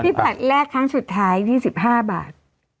ผัดแรกครั้งสุดท้าย๒๕บาท